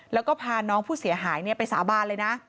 แล้วก็พาน้องผู้เสียหายไปสาบานเลยนะ